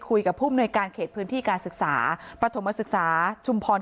คุยกับผู้มนุยการเขตพื้นที่การศึกษาปฐมศึกษาชุมพร